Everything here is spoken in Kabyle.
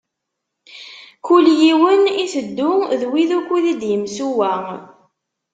Kul yiwen iteddu d win ukud i d-imsuwa.